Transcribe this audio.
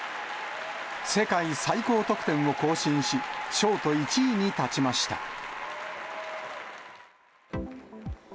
世界最高得点を更新し、ショート１位に立ちました。